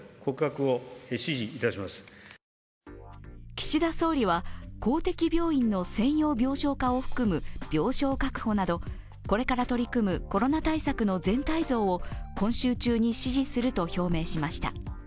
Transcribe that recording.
岸田総理は、公的病院の専用病床化を含む、病床確保などこれから取り組むコロナ対策の全体像を今週中に指示すると表明しました。